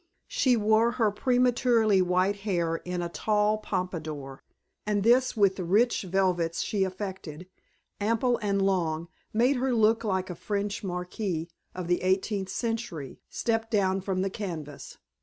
She wore her prematurely white hair in a tall pompadour, and this with the rich velvets she affected, ample and long, made her look like a French marquise of the eighteenth century, stepped down from the canvas.